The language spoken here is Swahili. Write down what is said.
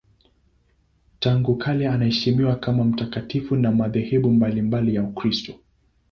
Tangu kale anaheshimiwa kama mtakatifu na madhehebu mbalimbali ya Ukristo.